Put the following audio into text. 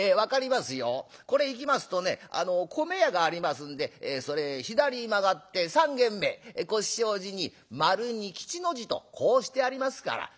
これ行きますとね米屋がありますんでそれ左に曲がって３軒目腰障子に丸に吉の字とこうしてありますからすぐに分かりますよ」。